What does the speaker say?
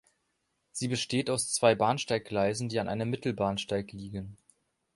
Sie besteht aus zwei Bahnsteiggleisen, die an einem Mittelbahnsteig liegen.